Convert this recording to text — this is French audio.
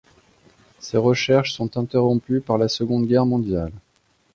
Ses recherches sont interrompues par la Seconde Guerre mondiale.